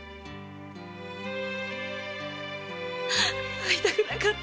会いたくなかった！